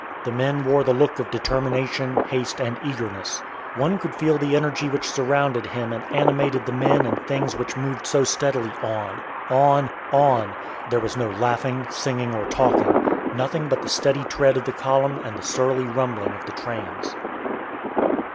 The men wore the look of determination, haste, and eagerness. One could feel the energy which surrounded him and animated the men and things which moved so steadily on, on, on! There was no laughing, singing, or talking. Nothing but the steady tread of the column and the surly rumbling of the trains.